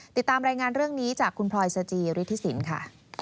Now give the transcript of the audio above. ติดตามแรงงานเรื่องนี้จากคุณพลอยสจริฐศิลป์ค่ะ